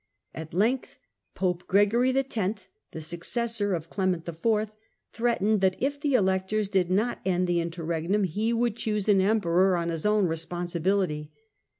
At length Pope Gregory X., the successor of Clement IV., threatened that if the Electors did not end the Interregnum he would choose an Emperor on his own responsibility.